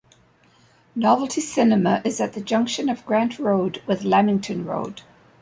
Novelty cinema is at the junction of Grant Road with Lamington Road.